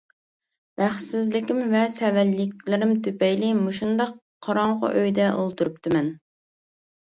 بەختسىزلىكىم ۋە سەۋەنلىكلىرىم تۈپەيلى مۇشۇنداق قاراڭغۇ ئۆيدە ئولتۇرۇپتىمەن.